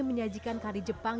menyajikan kari jepang